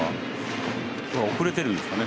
遅れてるんですかね